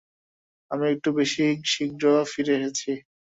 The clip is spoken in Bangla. আমি একটু বেশি শীঘ্র ফিরে এসেছি।